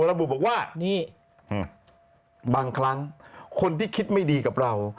หมอดูระบุว่าว่านี่อืมบางครั้งคนที่คิดไม่ดีกับเรา